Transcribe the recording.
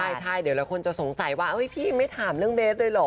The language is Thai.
ใช่เดี๋ยวเราคนจะสงสัยว่าพี่ไม่ถามเรื่องเบสเลยเหรอ